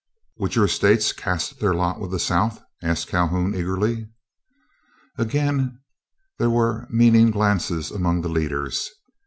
"Would your states cast their lot with the South?" asked Calhoun, eagerly. Again there were meaning glances among the leaders.